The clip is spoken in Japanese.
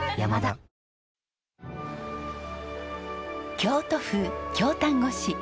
京都府京丹後市。